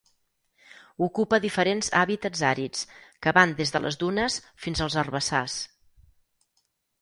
Ocupa diferents hàbitats àrids, que van des de les dunes fins als herbassars.